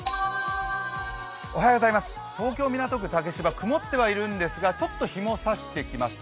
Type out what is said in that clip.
東京・港区竹芝、曇ってはいるんですが、ちょっと日も差してきました。